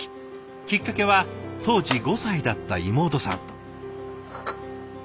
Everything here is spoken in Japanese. きっかけは当時５歳だった妹さん。